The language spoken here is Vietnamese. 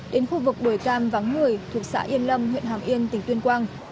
đến khu vực đồi cam vắng người thuộc xã yên lâm huyện hà miên tỉnh tuyên quang